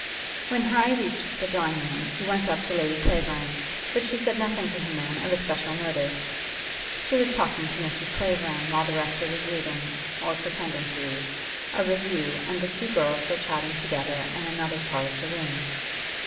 When Harry reached the drawing room he went up to Lady Clavering, but she said nothing to him then of especial notice. She was talking to Mrs. Clavering while the rector was reading, or pretending to read, a review, and the two girls were chattering together in another part of the room.